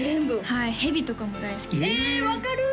はいヘビとかも大好きですえ分かる！